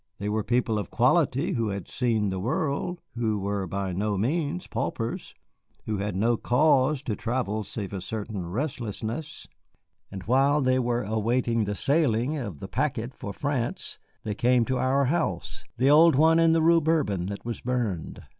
They were people of quality who had seen the world, who were by no means paupers, who had no cause to travel save a certain restlessness. And while they were awaiting the sailing of the packet for France they came to our house the old one in the Rue Bourbon that was burned.